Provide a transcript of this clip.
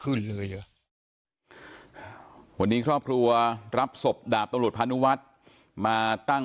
ขึ้นเลยอ่ะวันนี้ครอบครัวรับศพดาบตำรวจพานุวัฒน์มาตั้ง